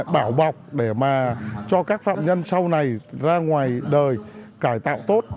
bảo bọc để mà cho các phạm nhân sau này ra ngoài đời cải tạo tốt